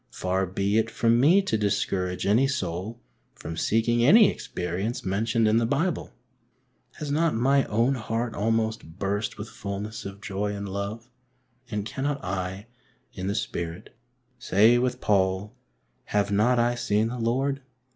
Far be it from me to discourage any soul from seeking any experience mentioned in the Bible ! Has not my own heart almost burst with fulness of joy and love ? and cannot I, in the Spirit, say with Paul, Have not I seen the Lord